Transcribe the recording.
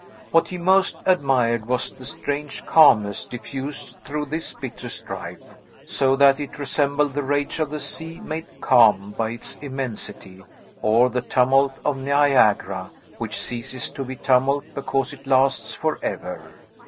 What he most admired was the strange calmness diffused through this bitter strife; so that it resembled the rage of the sea made calm by its immensity,' or the tumult of Niagara which ceases to be tumult because it lasts forever.